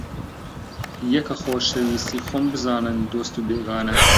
یەکە خۆشەویستی خۆم بزانن دۆست و بێگانە